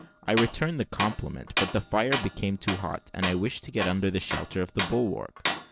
I returned the compliment; but the fire became too hot, and I wished to get under the shelter of the bulwark.